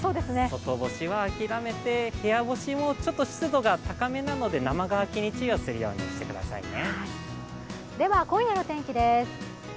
外干しは諦めて部屋干しもちょっと湿度が高めなので生乾きに注意するようにしてくださいね。